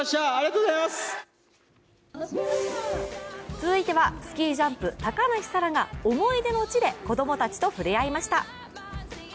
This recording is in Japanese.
続いてはスキージャンプ高梨沙羅が、思い出の地で子供たちと触れ合いました。